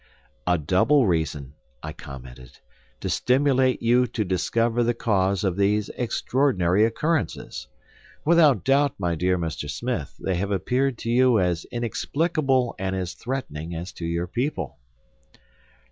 "A double reason," I commented, "to stimulate you to discover the cause of these extraordinary occurrences! Without doubt, my dear Mr. Smith, they have appeared to you as inexplicable and as threatening as to your people."